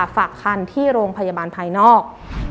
ฝากคันที่โรงพยาบาลภายนอก